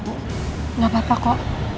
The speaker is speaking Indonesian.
ibu batalin aku